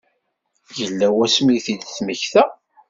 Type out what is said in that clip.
Yella wasmi i t-id-temmekta?